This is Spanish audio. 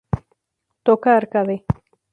Toca Arcade.